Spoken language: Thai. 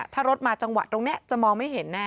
ถ้ารถมาจังหวะตรงนี้จะมองไม่เห็นแน่